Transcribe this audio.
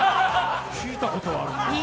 聞いたことがあるな。